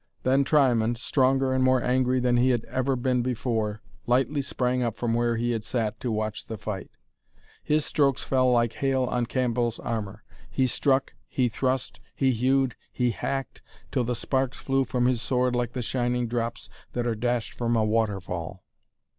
Then Triamond, stronger and more angry than he had ever been before, lightly sprang up from where he had sat to watch the fight. His strokes fell like hail on Cambell's armour. He struck, he thrust, he hewed, he hacked, till the sparks flew from his sword like the shining drops that are dashed from a waterfall.